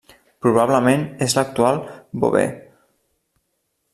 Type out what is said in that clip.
Probablement és l'actual Beauvais.